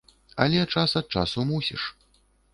Але час ад часу мусіш.